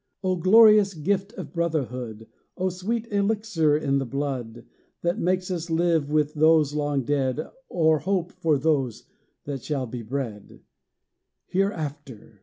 Oh glorious gift of brotherhood! Oh sweet elixir in the blood, That makes us live with those long dead, Or hope for those that shall be bred Hereafter!